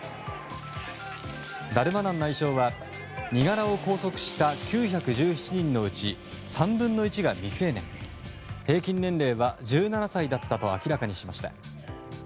ダルマナン内相は身柄を拘束した９１７人のうち３分の１が未成年平均年齢は１７歳だったと明らかにしました。